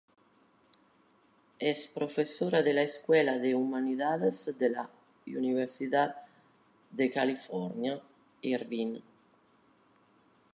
Es profesora de la Escuela de Humanidades de la Universidad de California, Irvine.